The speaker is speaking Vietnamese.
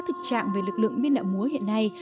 thực trạng về lực lượng biên đạo múa hiện nay